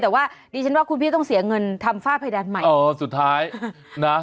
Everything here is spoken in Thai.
แต่ว่าดิฉันว่าคุณพี่ต้องเสียเงินทำฝ้าเพดานใหม่อ๋อสุดท้ายนะ